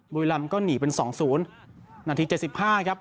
บุรรรมก็หนีเป็นสองศูนย์นาทีเจ็ดสิบห้าครับ